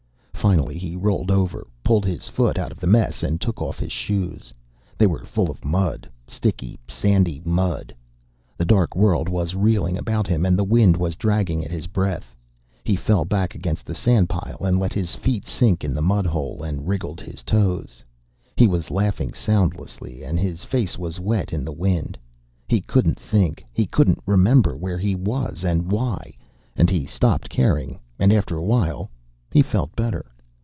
Finally he rolled over, pulled his foot out of the mess, and took off his shoes. They were full of mud sticky sandy mud. The dark world was reeling about him, and the wind was dragging at his breath. He fell back against the sand pile and let his feet sink in the mud hole and wriggled his toes. He was laughing soundlessly, and his face was wet in the wind. He couldn't think. He couldn't remember where he was and why, and he stopped caring, and after a while he felt better.